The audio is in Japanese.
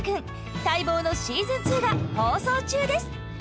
待望のしずん２が放送中です！